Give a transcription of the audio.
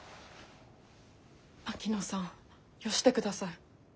槙野さんよしてください。